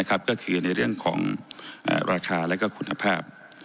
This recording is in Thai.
บัตรคือการแบ่งเขื่องราคาและเข้าคุณภาพ